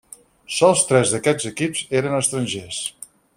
Sols tres d'aquests equips eren estrangers.